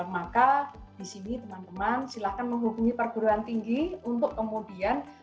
maka di sini teman teman silahkan menghubungi perguruan tinggi untuk kemudian